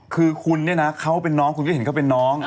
คือคุณเนี่ยนะเขาเป็นน้องคุณก็เห็นเขาเป็นน้อง